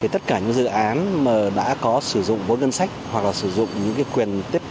tất cả những dự án mà đã có sử dụng vốn đơn sách hoặc là sử dụng những quyền tiếp